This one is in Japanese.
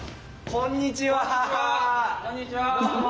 こんにちは。